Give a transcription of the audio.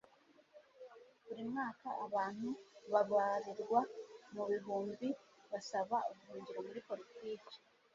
Buri mwaka abantu babarirwa mu bihumbi basaba ubuhungiro muri politiki.